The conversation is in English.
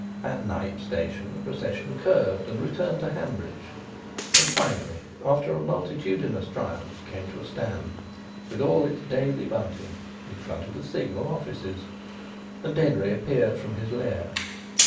At Knype Station the procession curved and returned to Hanbridge, and finally, after a multitudinous triumph, came to a stand with all its Daily bunting in front of the Signal offices; and Denry appeared from his lair.